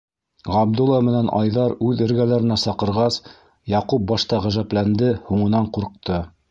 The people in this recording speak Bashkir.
Ғабдулла менән Айҙар үҙ эргәләренә саҡырғас, Яҡуп башта ғәжәпләнде, һуңынан ҡурҡты.